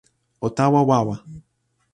o tawa wawa.